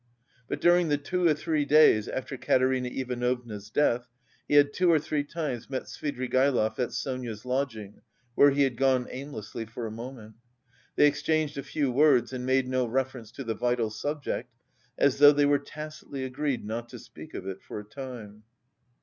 But during the two or three days after Katerina Ivanovna's death, he had two or three times met Svidrigaïlov at Sonia's lodging, where he had gone aimlessly for a moment. They exchanged a few words and made no reference to the vital subject, as though they were tacitly agreed not to speak of it for a time.